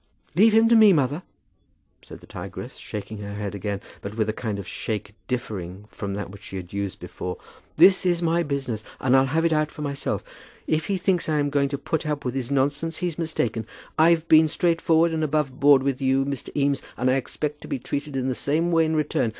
"Leave him to me, mother," said the tigress, shaking her head again, but with a kind of shake differing from that which she had used before. "This is my business, and I'll have it out for myself. If he thinks I'm going to put up with his nonsense he's mistaken. I've been straightforward and above board with you, Mr. Eames, and I expect to be treated in the same way in return.